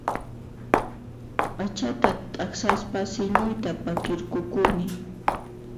P'achata t'aqsaspa silluyta p'akirqukuni